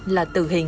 là tử hình